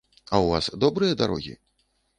А ў вас добрыя дарогі?